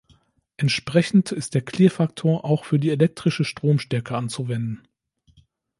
Entsprechend ist der Klirrfaktor auch für die elektrische Stromstärke anzuwenden.